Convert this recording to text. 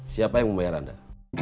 siapa yang membayar anda